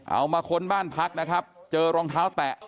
มาค้นบ้านพักนะครับเจอรองเท้าแตะ